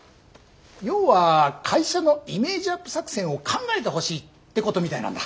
要は会社のイメージアップ作戦を考えてほしいってことみたいなんだ。